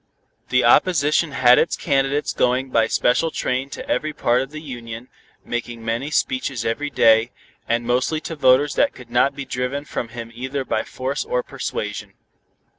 The opposition had its candidates going by special train to every part of the Union, making many speeches every day, and mostly to voters that could not be driven from him either by force or persuasion.